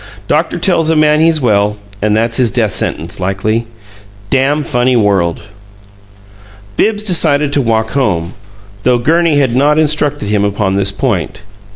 "Doctor tells a man he's well, and that's his death sentence, likely. Dam' funny world!" Bibbs decided to walk home, though Gurney had not instructed him upon this point.